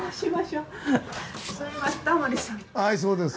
はいそうです。